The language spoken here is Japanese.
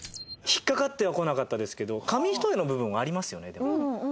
引っかかってはこなかったですけど紙一重の部分はありますよねでも。